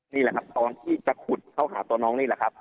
นี่แหละครับตอนที่จะขุดเข้าหาตัวน้องนี่แหละครับ